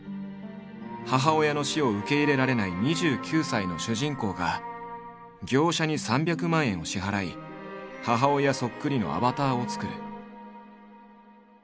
母親の死を受け入れられない２９歳の主人公が業者に３００万円を支払い母親そっくりのアバターを作る。